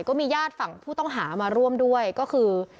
ก็มีญาติฝั่งผู้ต้องหามาร่วมด้วยก็คือ